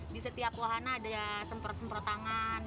di setiap wahana ada semprot semprot tangan